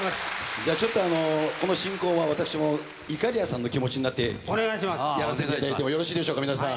じゃあちょっとこの進行は私もいかりやさんの気持ちになってやらせていただいてもよろしいでしょうか皆さん。